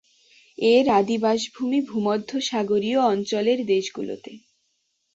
এর আদি বাসভূমি ভূমধ্যসাগরীয় অঞ্চলের দেশগুলোতে।